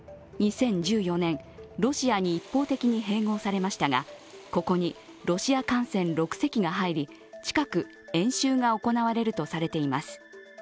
２０１４年、ロシアに一方的に併合されましたがここにロシア艦船６隻が入り近く演習が行われるとされています。